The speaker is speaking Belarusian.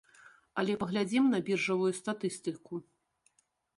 Але паглядзім на біржавую статыстыку.